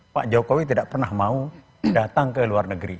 pak jokowi tidak pernah mau datang ke luar negeri